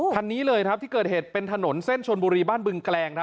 คันนี้เลยครับที่เกิดเหตุเป็นถนนเส้นชนบุรีบ้านบึงแกลง